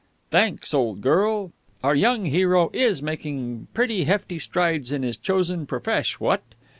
"Thanks, old girl. Our young hero is making pretty hefty strides in his chosen profesh, what?